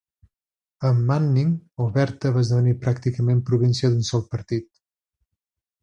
Amb Manning, Alberta va esdevenir pràcticament província d'un sol partit.